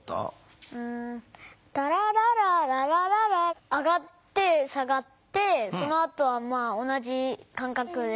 「タラララララララ」上がって下がってそのあとは同じかんかくで。